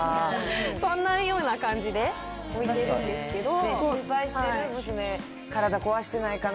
そんなような感じで置いてるんですけど。